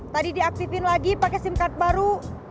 tadi diaktifin lagi pakai sim card baru